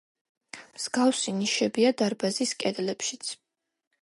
მსგავსი ნიშებია დარბაზის კედლებშიც.